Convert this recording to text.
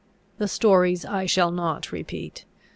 The stories I shall not repeat.